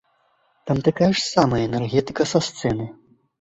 Там такая ж самая энергетыка са сцэны.